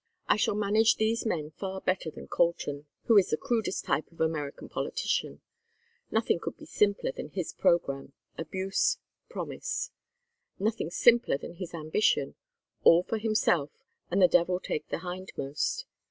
I shall manage these men far better than Colton, who is the crudest type of American politician. Nothing could be simpler than his program: abuse, promise. Nothing simpler than his ambition: all for himself, and the devil take the hindmost.